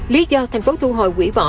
lý do tp hcm thu hồi hủy bỏ